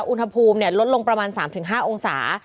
อุณหภูมิลดลงประมาณ๓๕องศา